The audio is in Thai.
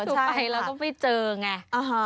ถูกไปเราก็ไม่เจอไง